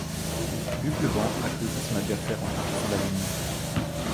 Luc Leblanc applaudit son adversaire en franchissant la ligne.